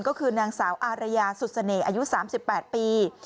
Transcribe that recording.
ก็คือนางสาวอารยาสุดเสน่ห์อายุ๓๘ปี